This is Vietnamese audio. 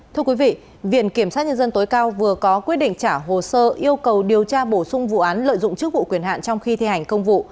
thưa quý vị viện kiểm sát nhân dân tối cao vừa có quyết định trả hồ sơ yêu cầu điều tra bổ sung vụ án lợi dụng chức vụ quyền hạn trong khi thi hành công vụ